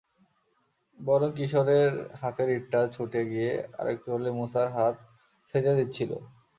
বরং কিশোরের হাতের ইঁটটা ছুটে গিয়ে আরেকটু হলেই মুসার হাত ছেঁচে দিচ্ছিল।